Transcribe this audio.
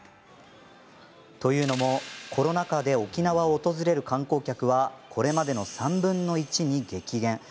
というのも、コロナ禍で沖縄を訪れる観光客はこれまでの３分の１に激減。